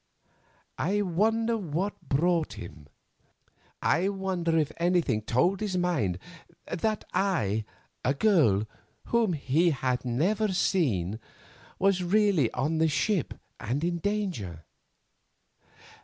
I wonder what brought him? I wonder if anything told his mind that I, a girl whom he had never seen, was really on the ship and in danger?